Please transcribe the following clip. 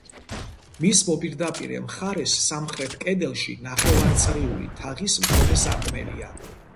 მის მოპირდაპირე მხარეს, სამხრეთ კედელში, ნახევარწრიული თაღის მქონე სარკმელია.